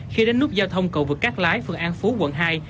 khi đánh nút giao thông cầu vừa cát lái phương an phú quận hai